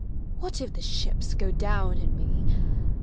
What if the ships go down in me?